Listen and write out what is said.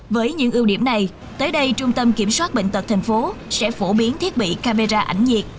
với những ưu điểm này tới đây trung tâm kiểm soát bệnh tật tp hcm sẽ phổ biến thiết bị camera ảnh nhiệt